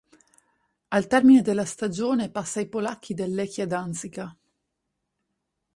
Al termine della stagione passa ai polacchi del Lechia Danzica.